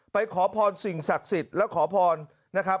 ขอพรสิ่งศักดิ์สิทธิ์และขอพรนะครับ